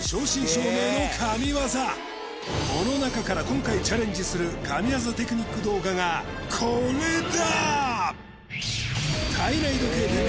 この中から今回チャレンジする神業テクニック動画がこれだ！